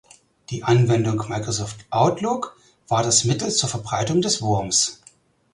Die Anwendung Microsoft Outlook war das Mittel zur Verbreitung des Wurms.